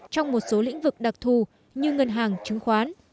trong một số lĩnh vực đặc thù như ngân hàng chứng khoán